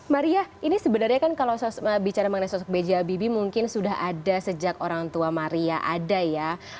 maria ini sebenarnya kalau bicara soal sosok bja bibi mungkin sudah ada sejak orang tua maria ada ya